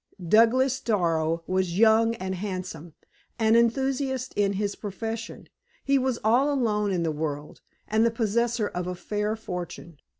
Douglas Darrow was young and handsome an enthusiast in his profession; he was all alone in the world, and the possessor of a fair fortune.